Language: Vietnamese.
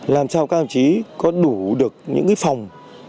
làm sao các ông chí có đủ được những phòng